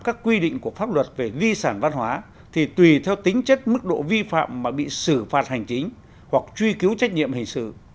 các quy định của pháp luật về di sản văn hóa thì tùy theo tính chất mức độ vi phạm mà bị xử phạt hành chính hoặc truy cứu trách nhiệm hình sự